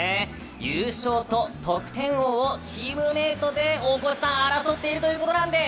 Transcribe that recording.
優勝と得点王をチームメートで争っているということなんです。